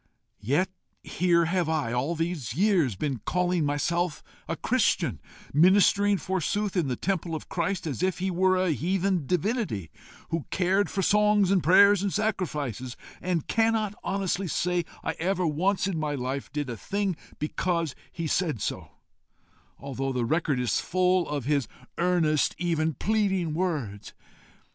Yet here have I, all these years, been calling myself a Christian, ministering, forsooth, in the temple of Christ, as if he were a heathen divinity, who cared for songs and prayers and sacrifices, and cannot honestly say I ever once in my life did a thing because he said so, although the record is full of his earnest, even pleading words!